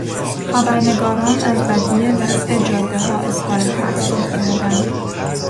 خبرنگاران از بدی وضع جادهها اظهار تاسف کردند.